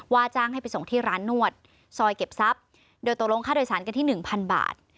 จ้างให้ไปส่งที่ร้านนวดซอยเก็บทรัพย์โดยตกลงค่าโดยสารกันที่หนึ่งพันบาท